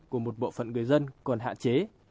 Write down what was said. của một bộ phận người dân còn hạ chế